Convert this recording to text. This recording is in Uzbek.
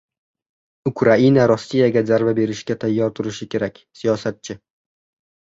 Ukraina Rossiyaga zarba berishga tayyor turishi kerak — siyosatchi